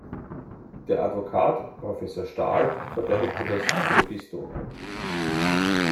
Der Advokat, Professor Stahl, verteidigte das Phlogiston.